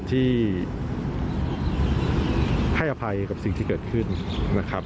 ที่ให้อภัยกับสิ่งที่เกิดขึ้นนะครับ